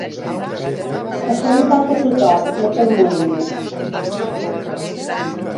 Això li passa a tothom, no t'amoïnis.